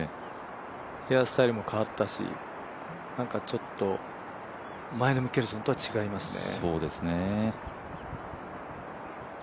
ヘアスタイルも変わったし、ちょっと前のミケルソンとは違いますね。